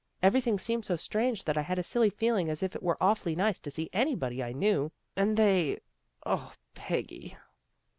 Everything seemed so strange that I had a silly feeling as if it were awfully nice to see anybody I knew. And they O, Peggy!"